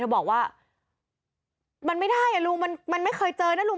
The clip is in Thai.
บอกว่ามันไม่ได้อ่ะลุงมันไม่เคยเจอนะลุง